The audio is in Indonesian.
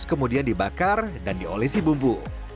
kemudian dibakar dan diolesi bumbu